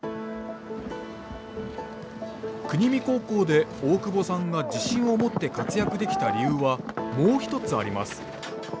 国見高校で大久保さんが自信を持って活躍できた理由はもう一つあります。